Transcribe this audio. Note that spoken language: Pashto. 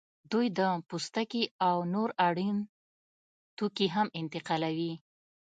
دوی د پوستکي او نور اړین توکي هم انتقالوي